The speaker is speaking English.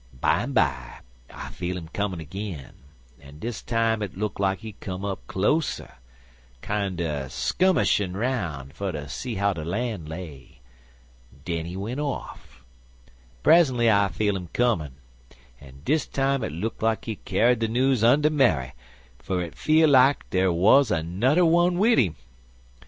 Bimeby I feel 'im comin' agin, an' dis time hit look like he come up closer kinder skummishin' 'roun' fer ter see how de lan' lay. Den he went off. Present'y I feel 'im comin', an' dis time hit look like he kyar'd de news unto Mary, fer hit feel like der wuz anudder wun wid 'im.